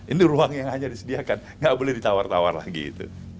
ini ruang yang hanya disediakan nggak boleh ditawar tawar lagi itu